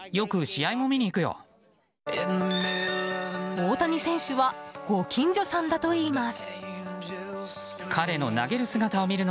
大谷選手はご近所さんだといいます。